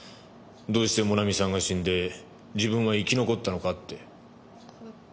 どうしてもなみさんが死んで自分は生き残ったのかって。